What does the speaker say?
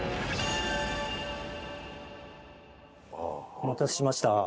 お待たせしました。